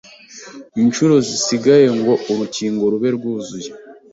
inshuro zisigaye ngo urukingo rube rwuzuye,